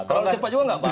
kalau cepat juga nggak baik